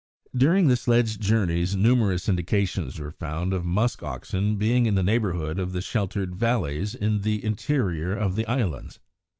] During the sledge journeys numerous indications were found of musk oxen being in the neighbourhood of the sheltered valleys in the interior of the islands.